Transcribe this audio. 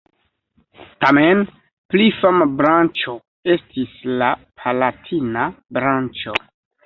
Tamen pli fama branĉo estis la palatina branĉo.